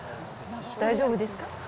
大丈夫ですか？